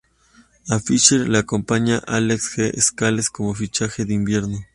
A Fisher le acompaña Alex J. Scales como fichajes de invierno.